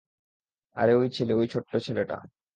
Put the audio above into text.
আর ওই ছেলে, ওই ছোট্ট ছেলেটা।